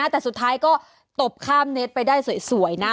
แต่สุดท้ายก็ตบข้ามเนสไปได้สวยนะ